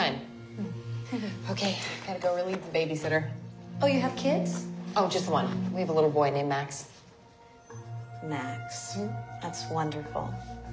うん。